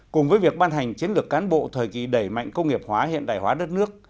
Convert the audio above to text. cùng với việc ban hành chiến lược cán bộ thời kỳ đẩy mạnh công nghiệp hóa hiện đại hóa đất nước